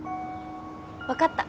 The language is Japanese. わかった。